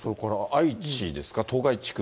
愛知ですか、東海地区。